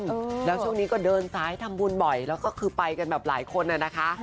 อืมแล้วช่วงนี้ก็เดินซ้ายทำบุญบ่อยแล้วก็คือไปกันแบบหลายคนน่ะนะคะ